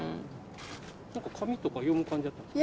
紙とか読む感じだったんですか。